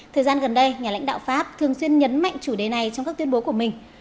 thời gian gần đây nhà lãnh đạo pháp thường xuyên nhấn mạnh chủ đề này trong các tuyên bố của mình